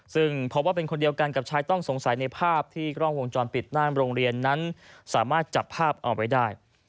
ซึ่งพบว่าเป็นคนเดียวกันกับชายต้องสงสัยในภาพที่กล้องวงจรปิดหน้าโรงเรียนนั้นสามารถจับภาพเอาไว้ได้